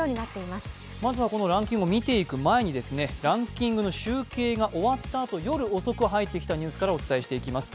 まずはランキングを見ていく前にランキングの集計が終わったあと、夜遅く入ってきたニュースからお伝えしていきます。